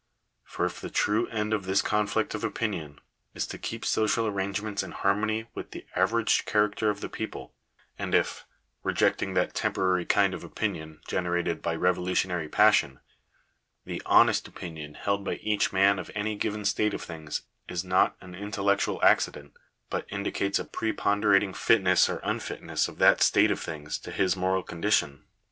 For if the true end of this conflict of opinion is to keep social arrangements in harmony with the average character of the people ; and if (rejecting that temporary kind of opinion generated by revo lutionary passion) the honest opinion held by each man of any given state of things is not an intellectual accident, but indi cates a preponderating fitness or unfitness of that state of things to his moral condition (pp.